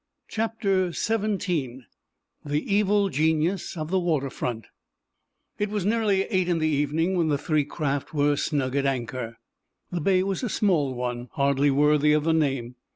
CHAPTER XVII: THE EVIL GENIUS OF THE WATER FRONT It was nearly eight in the evening when the three craft were snug at anchor. The bay was a small one, hardly worthy of the name.